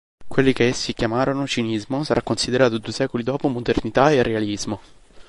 Quello che essi chiamarono cinismo sarà considerato, due secoli dopo, modernità e realismo.